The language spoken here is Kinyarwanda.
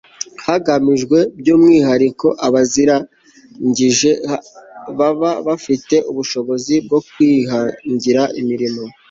hagamijweko by'umwihariko abazirangije baba bafite ubushobozi bwo kwihangira imirimo